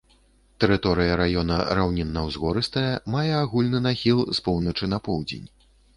Тэрыторыя раёна раўнінна-узгорыстая, мае агульны нахіл з поўначы на поўдзень.